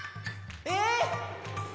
えっ⁉